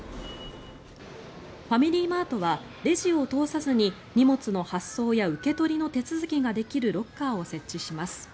ファミリーマートはレジを通さずに荷物の発送や受け取りの手続きができるロッカーを設置します。